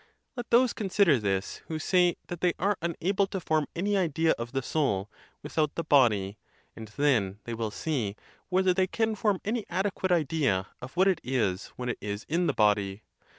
Let those consider this, who say that they are unable to form any idea of the soul without the body, and then they will see whether they can form any adequate idea of what it is when it is in the body.